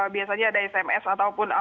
biasanya ada sms ataupun